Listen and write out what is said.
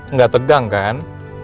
nggak tegang kan